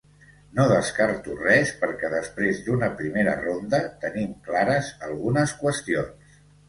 No descarto res perquè després d’una primera ronda tenim clares algunes qüestions.